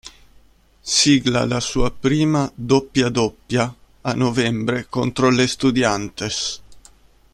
Sigla la sua prima doppia-doppia a novembre contro l'Estudiantes.